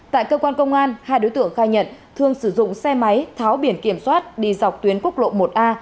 tại cơ quan công an hai đối tượng khai nhận thường sử dụng xe máy tháo biển kiểm soát đi dọc tuyến quốc lộ một a